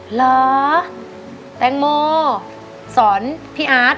เหรอแตงโมสอนพี่อาร์ต